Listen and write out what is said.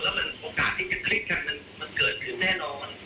แล้วมันโอกาสที่จะคลิกกันมันเกิดขึ้นแน่นอน